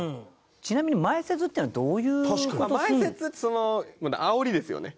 ちなみに前説っていうのはどういう事するの？